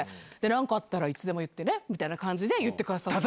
なんかあったらいつでも言ってねみたいな感じで言ってくださって。